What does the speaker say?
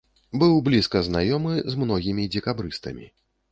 Быў блізка знаёмы з многімі дзекабрыстамі.